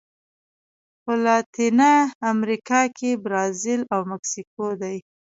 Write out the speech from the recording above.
په لاتینه امریکا کې برازیل او مکسیکو دي.